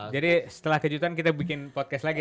setelah kejutan kita bikin podcast lagi